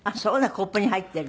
コップに入っている。